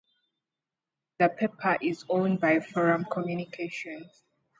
The paper is owned by Forum Communications.